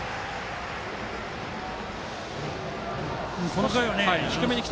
この回はね